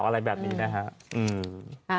อะไรแบบนี้นะฮะ